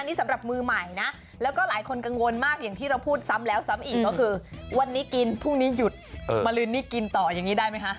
นี่สำหรับมือใหม่นะแล้วก็หลายคนกังวลมากอย่างที่เราพูดซ้ำแล้วซ้ำอีกก็คือวันนี้กินพรุ่งนี้หยุดมาลืนนี่กินต่ออย่างนี้ได้ไหมคะ